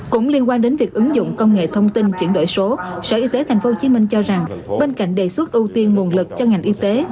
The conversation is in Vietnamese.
cũng liên quan đến việc ứng dụng công nghệ thông tin chuyển đổi số sở y tế tp hcm cho rằng bên cạnh đề xuất ưu tiên nguồn lực cho ngành y tế